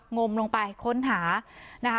งมลงไปค้นหานะคะ